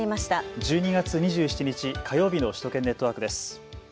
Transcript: １２月２７日火曜日の首都圏ネットワークです。